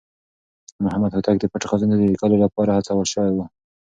محمد هوتک د پټې خزانې د ليکلو لپاره هڅول شوی و.